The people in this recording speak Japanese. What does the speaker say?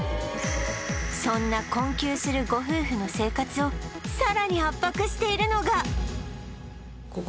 そんな困窮するご夫婦の生活をさらに圧迫しているのが！